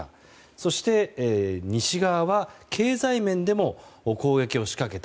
そして、西側は経済面でも攻撃を仕掛けた。